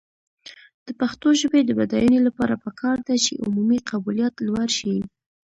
د پښتو ژبې د بډاینې لپاره پکار ده چې عمومي قبولیت لوړ شي.